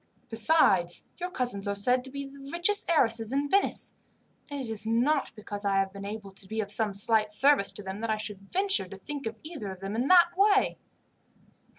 Besides, your cousins are said to be the richest heiresses in Venice; and it is not because I have been able to be of some slight service to them, that I should venture to think of either of them in that way."